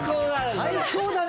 最高だね。